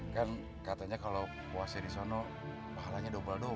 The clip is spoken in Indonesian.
kan katanya kalo puasi disana mahalanya dobal doba